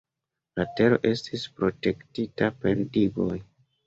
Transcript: La tero estis protektita per digoj.